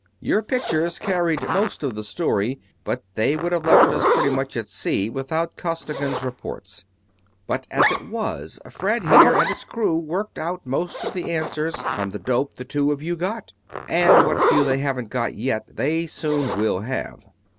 Your pictures carried most of the story, but they would have left us pretty much at sea without Costigan's reports. But as it was, Fred here and his crew worked out most of the answers from the dope the two of you got; and what few they haven't got yet they soon will have."